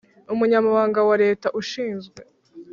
Umunyamabanga wa Leta Ushinzwe